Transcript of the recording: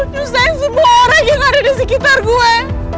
nyusahin semua orang yang ada di sekitar gue